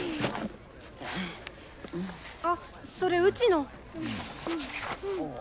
あっそれうちの。